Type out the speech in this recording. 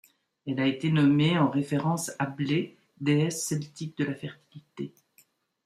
Elle a été nommée en référence à Blai, déesse celtique de la fertilité.